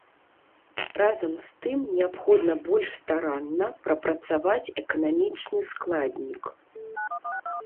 Разам з тым неабходна больш старанна прапрацаваць эканамічны складнік.